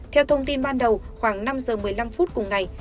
theo thông tin ban đầu khoảng năm giờ một mươi năm phút cùng ngày